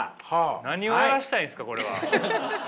何をやらしたいんですかこれは。